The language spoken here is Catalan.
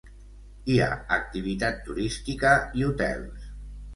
Hi ha activitat turística i hotels.